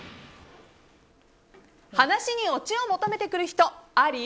話にオチを求めてくる人あり？